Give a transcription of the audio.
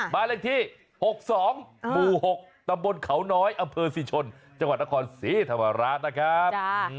มาเลขที่๖๒๖ตำบลเขาน้อยอศิชนจังหวัดนครศรีธรรมราชนะครับ